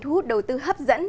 thu hút đầu tư hấp dẫn